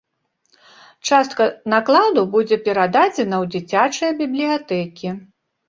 Частка накладу будзе перададзена ў дзіцячыя бібліятэкі.